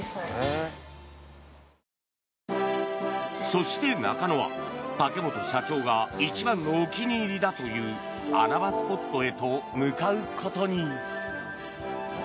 そして中野は、竹本社長が一番のお気に入りだという穴場スポットへと向かうことに。